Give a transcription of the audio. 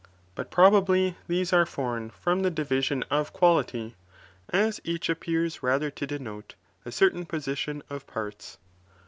21 ; where tt but probably these are foreign from the division of quality, as each appears rather to denote a certain position of parts.